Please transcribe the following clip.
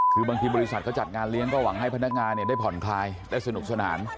คือบางทีบริษัทเขาจัดงานเลี้ยงก็หวังให้พนักงานได้ผ่อนคลายได้สนุกสนาน